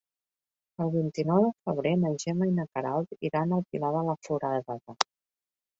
El vint-i-nou de febrer na Gemma i na Queralt iran al Pilar de la Foradada.